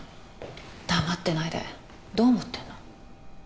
黙ってないでどう思ってんの？